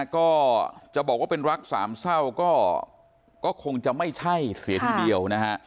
ก็จะบอกว่าเป็นรักสามเศร้าก็คงจะไม่ใช่เสียทีเดียวนะฮะ